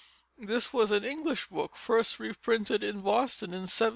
This was an English book, first reprinted in Boston in 1702.